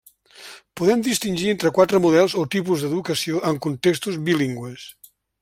Podem distingir entre quatre models o tipus d'educació en contextos bilingües.